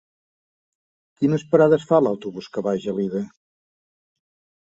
Quines parades fa l'autobús que va a Gelida?